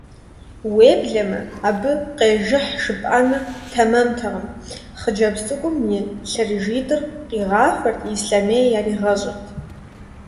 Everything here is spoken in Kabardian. Уеблэмэ, абы къежыхь жыпӀэныр тэмэмтэкъым: хъыджэбз цӀыкӀум и лъэрыжитӀыр къигъафэрт, ислъэмей яригъэщӀырт.